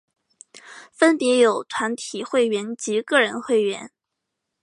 分别有团体会员及个人会员。